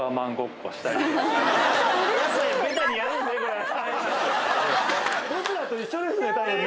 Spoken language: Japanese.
これ僕らと一緒ですね